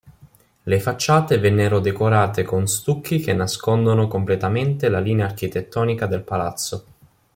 Le facciate vennero decorate con stucchi che nascondono completamente la linea architettonica del palazzo.